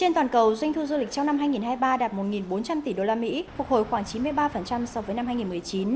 trên toàn cầu doanh thu du lịch trong năm hai nghìn hai mươi ba đạt một bốn trăm linh tỷ usd phục hồi khoảng chín mươi ba so với năm hai nghìn một mươi chín